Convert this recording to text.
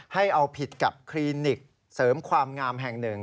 ให้เอาผิดกับคลินิกเสริมความงามแห่งหนึ่ง